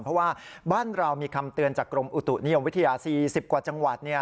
เพราะว่าบ้านเรามีคำเตือนจากกรมอุตุนิยมวิทยา๔๐กว่าจังหวัด